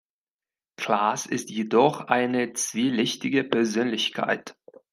Klaas ist jedoch eine zwielichtige Persönlichkeit.